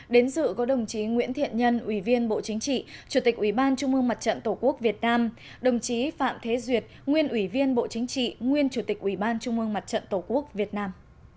đến dự có đồng chí nguyễn thiện nhân ủy viên bộ chính trị chủ tịch ủy ban trung mương mặt trận tổ quốc việt nam đồng chí phạm thế duyệt nguyên ủy viên bộ chính trị nguyên chủ tịch ủy ban trung ương mặt trận tổ quốc việt nam